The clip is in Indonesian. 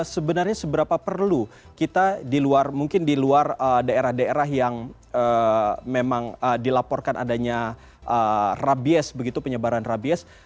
sebenarnya seberapa perlu kita di luar mungkin di luar daerah daerah yang memang dilaporkan adanya rabies begitu penyebaran rabies